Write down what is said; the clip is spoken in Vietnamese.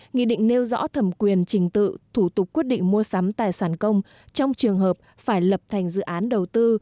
nghị định nêu rõ thẩm quyền trình tự thủ tục quyết định mua sắm tài sản công trong trường hợp phải lập thành dự án đầu tư